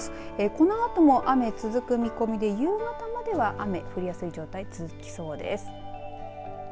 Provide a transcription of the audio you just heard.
このあとも雨続く見込みで夕方までは雨降りやすい状態続きそうです。